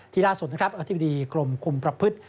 ที่ล่าสุดอธิบดีกรมคุมประพฤต